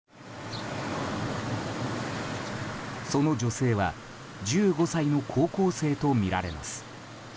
その女性は１５歳の高校生とみられます。